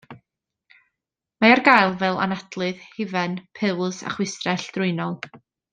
Mae ar gael fel anadlydd, hufen, pils, a chwistrell drwynol.